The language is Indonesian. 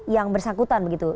yang bersangkutan begitu